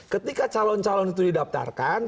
ketika calon calon itu didaftarkan